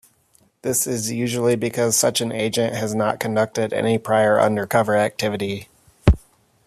This is usually because such an agent has not conducted any prior undercover activity.